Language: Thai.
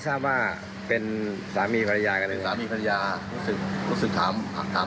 ทราบว่าเป็นสามีภรรยากันเป็นสามีภรรยารู้สึกรู้สึกถามถาม